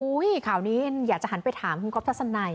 อุ้ยข่าวนี้อยากจะหันไปถามคุณครอบทะสันใน